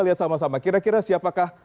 lihat sama sama kira kira siapakah